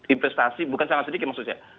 investasi bukan sangat sedikit maksudnya